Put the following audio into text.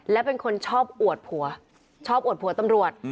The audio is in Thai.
และเป็นคนชอบอวดผัวชอบอวดผัวตำรวจ